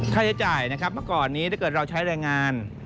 ค่าใช้จ่ายนะครับประกอบนี้ถ้าเกิดเราใช้รายงาน